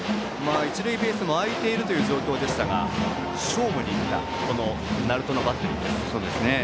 一塁ベースも空いている状況でしたが勝負に行った鳴門のバッテリー。